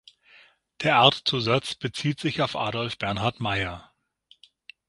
Der Artzusatz bezieht sich auf Adolf Bernhard Meyer.